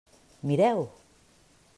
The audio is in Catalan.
Mireu!